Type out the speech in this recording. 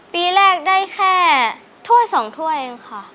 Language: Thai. ปีแรกได้แค่ถ้วย๒ถ้วยเองค่ะ